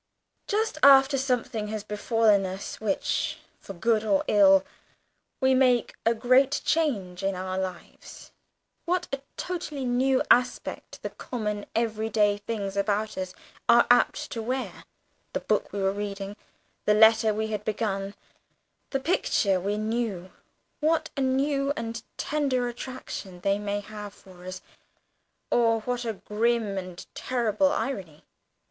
Just after something has befallen us which, for good or ill, will make a great change in our lives, what a totally new aspect the common everyday things about us are apt to wear the book we were reading, the letter we had begun, the picture we knew what a new and tender attraction they may have for us, or what a grim and terrible irony!